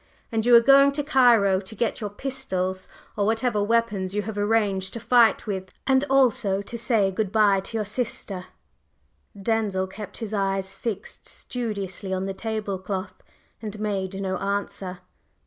And you are going to Cairo to get your pistols or whatever weapons you have arranged to fight with, and also to say good bye to your sister." Denzil kept his eyes fixed studiously on the table cloth and made no answer.